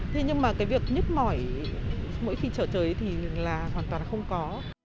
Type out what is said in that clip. thế nhưng mà cái việc nhức mỏi mỗi khi trở trời thì là hoàn toàn không có